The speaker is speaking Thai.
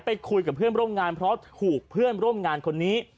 ไปคุยกับเพื่อนร่วมงานเพราะถูกเพื่อนร่วมงานคนนี้